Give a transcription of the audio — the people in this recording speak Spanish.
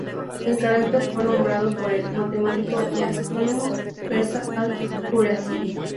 El cráter fue nombrado por el matemático y astrónomo persa Al-Juarismi.